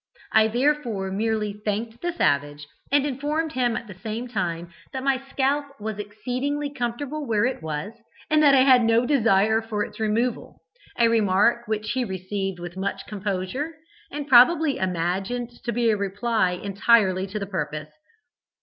I therefore merely thanked the savage, and informed him at the same time that my scalp was exceedingly comfortable where it was, and that I had no desire for its removal, a remark which he received with much composure, and probably imagined to be a reply entirely to the purpose.